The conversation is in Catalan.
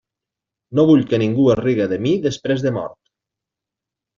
No vull que ningú es riga de mi després de mort.